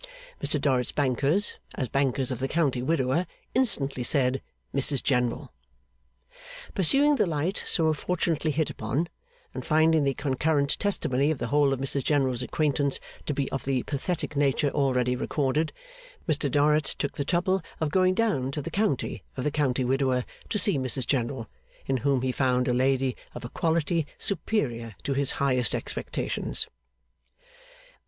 Mr Dorrit's bankers, as bankers of the county widower, instantly said, 'Mrs General.' Pursuing the light so fortunately hit upon, and finding the concurrent testimony of the whole of Mrs General's acquaintance to be of the pathetic nature already recorded, Mr Dorrit took the trouble of going down to the county of the county widower to see Mrs General, in whom he found a lady of a quality superior to his highest expectations.